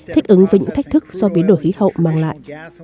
thích ứng với những thách thức do biến đổi khí hậu mang lại